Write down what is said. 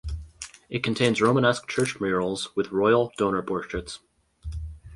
It contains Romanesque church murals with royal donor portraits.